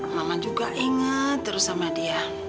mama juga ingat terus sama dia